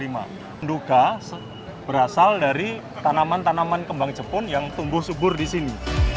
menduga berasal dari tanaman tanaman kembang jepun yang tumbuh subur di sini